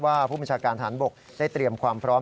ผู้บัญชาการฐานบกได้เตรียมความพร้อม